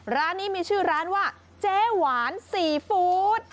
ร้านนี้มีชื่อร้านว่าเจ๊หวานซีฟู้ด